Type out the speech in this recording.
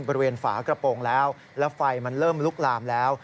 ฝากระโปรงแล้วแล้วไฟมันเริ่มลุกลามแล้ว